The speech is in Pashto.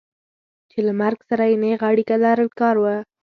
چې له مرګ سره یې نېغه اړیکه لرل کار و.